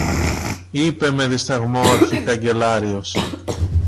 είπε με δισταγμό ο αρχικαγκελάριος.